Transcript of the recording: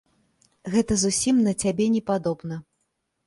Гэта зусім на цябе не падобна.